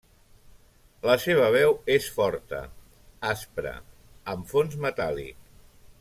La seva veu és forta, aspra, amb fons metàl·lic.